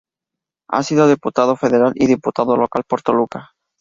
Ha sido Diputado Federal y Diputado Local por Toluca.